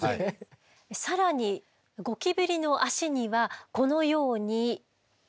更にゴキブリの足にはこのように。